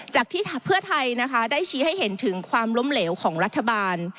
จากที่เพื่อไทยนะคะได้ชี้ให้เห็นถึงความล้มเหลวของรัฐบาล